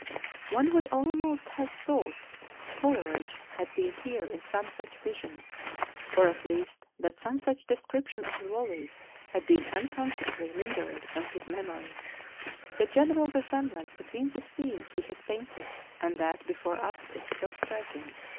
One would almost have thought Coleridge had been here in some such vision, or at least that some such description of the valley had been unconsciously lingering on his memory,— the general resemblance between the scene he has painted and that before us is so striking.